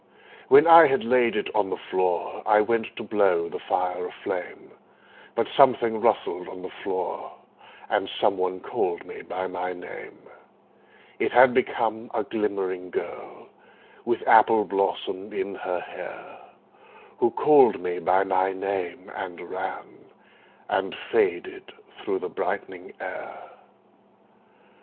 When I had laid it on the floor I went to blow the fire aflame, But something rustled on the floor, And some one called me by my name: It had become a glimmering girl With apple blossom in her hair Who called me by my name and ran And faded through the brightening air.